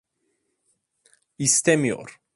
İstemiyor…